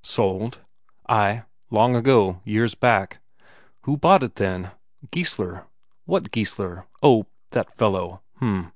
"Sold?" "Ay, long ago, years back." "Who bought it then?" "Geissler." "What Geissler? oh, that fellow h'm."